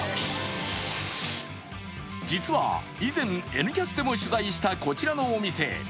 実は以前、「Ｎキャス」でも取材したこちらのお店。